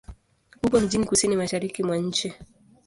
Upo mjini kusini-mashariki mwa nchi.